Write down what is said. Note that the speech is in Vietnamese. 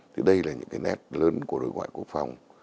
thì đây là những cái nét lớn của đối ngoại quốc phòng